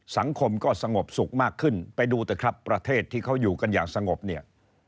สังคมก็สงบสุขมากขึ้นไปดูเถอะครับประเทศที่เขาอยู่กันอย่างสงบเนี่ย